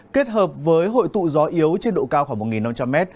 kết hợp với hội tụ gió yếu trên độ cao khoảng một năm trăm linh m